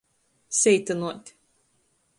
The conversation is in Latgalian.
Seitynuot.